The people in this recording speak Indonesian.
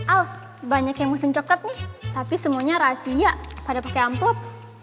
al banyak yang mau sencoket nih tapi semuanya rahasia pada pake amplop